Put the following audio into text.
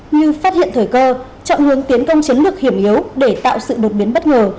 như phát hiện thời cơ chọn hướng tiến công chiến lược hiểm yếu để tạo sự đột biến bất ngờ